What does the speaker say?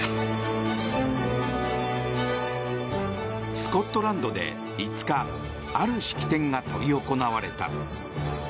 スコットランドで５日ある式典が執り行われた。